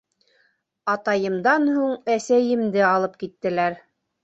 Атайымдан һуң әсәйемде алып киттеләр.